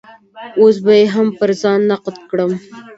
اوس به يې هم پر ځای نقد کړم.